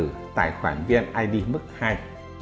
hai là đã có tài khoản định danh điện tử